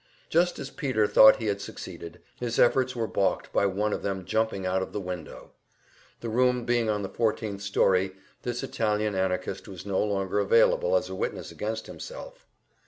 Just as Peter thought he had succeeded, his efforts were balked by one of them jumping out of the window. The room being on the fourteenth story, this Italian Anarchist was no longer available as a witness against himself.